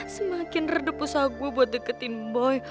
semakin redup usaha gue buat deketin boy